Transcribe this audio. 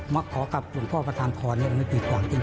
มาขอกับหลวงพ่อประตามทรไม่มีปีกก่อนจริง